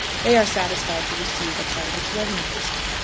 They are satisfied to receive a part of its revenues.